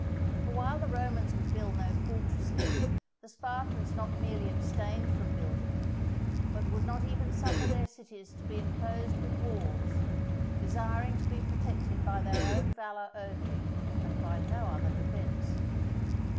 For while the Romans would build no fortresses, the Spartans not merely abstained from building them, but would not even suffer their cities to be enclosed with walls; desiring to be protected by their own valour only, and by no other defence.